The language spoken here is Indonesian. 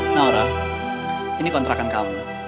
naura ini kontrakan kamu